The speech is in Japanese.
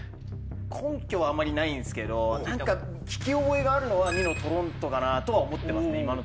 根拠はあんまりないんすけど何か聞き覚えがあるのは２のトロントかなとは思ってますね